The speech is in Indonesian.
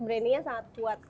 brandingnya sangat kuat